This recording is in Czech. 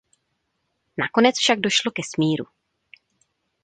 Nakonec však došlo ke smíru.